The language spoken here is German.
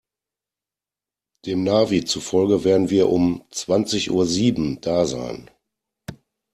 Dem Navi zufolge werden wir um zwanzig Uhr sieben da sein.